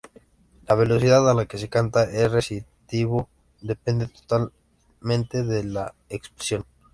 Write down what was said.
La velocidad a la que se canta el recitativo depende totalmente de la expresión.